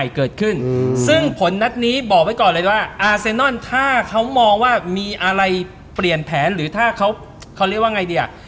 เกิดขึ้นซึ่งผลนัดนี้บอกไว้ก่อนเลยว่าอาเซนอนถ้าเขามองว่ามีอะไรเปลี่ยนแผนหรือถ้าเขาเรียกว่าไงดีอ่ะ